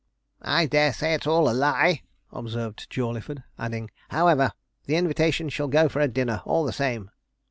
'I dare say it's all a lie,' observed Jawleyford; adding, 'however, the invitation shall go for a dinner, all the same.'